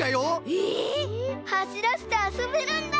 えっ！？はしらせてあそべるんだ！